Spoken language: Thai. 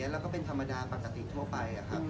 แล้วก็เป็นธรรมดาปกติทั่วไปครับ